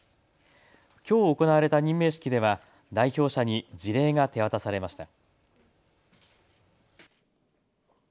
きょう行われた任命式では代表者に辞令が手渡されました。